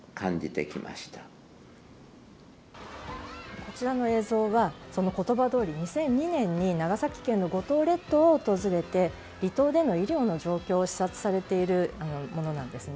こちらの映像は、言葉どおり２００２年に長崎県の五島列島を訪れて離島での医療の状況を視察されているものなんですね。